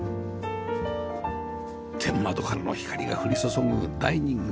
天窓からの光が降り注ぐダイニング